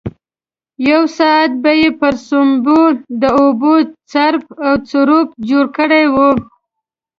یو ساعت به یې پر سومبۍ د اوبو چړپ او چړوپ جوړ کړی وو.